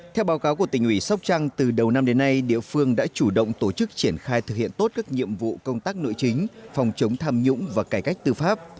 theo báo cáo của tỉnh ủy sóc trăng từ đầu năm đến nay địa phương đã chủ động tổ chức triển khai thực hiện tốt các nhiệm vụ công tác nội chính phòng chống tham nhũng và cải cách tư pháp